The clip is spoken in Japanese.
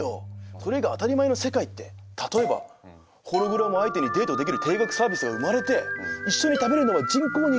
それが当たり前の世界って例えばホログラム相手にデートできる定額サービスが生まれて一緒に食べるのは人工肉！ってことでしょ？